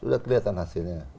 sudah kelihatan hasilnya